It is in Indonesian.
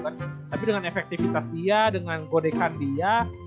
tapi dengan efektivitas dia dengan godekan dia